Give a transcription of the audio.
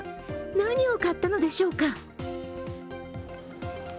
何を買ったのでしょうか。